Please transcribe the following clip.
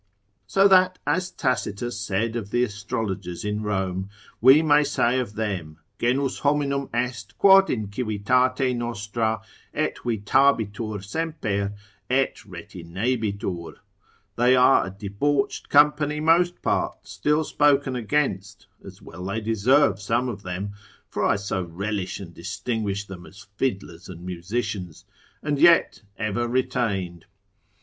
So that as Tacitus said of the astrologers in Rome, we may say of them, genus hominum est quod in civitate nostra et vitabitur semper et retinebitur, they are a debauched company most part, still spoken against, as well they deserve some of them (for I so relish and distinguish them as fiddlers, and musicians), and yet ever retained.